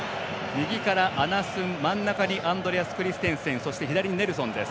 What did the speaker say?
右からアナスン真ん中にアンドレアス・クリステンセンそして左にネルソン。